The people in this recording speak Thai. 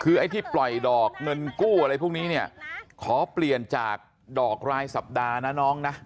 คือไอ้ที่ปล่อยดอกเงินกู้อะไรพวกนี้เนี่ยขอเปลี่ยนจากดอกรายสัปดาห์นะน้องนะ